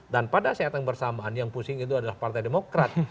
dan pada saat yang bersamaan yang pusing itu adalah partai demokrat